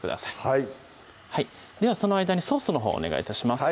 はいその間にソースのほうをお願い致します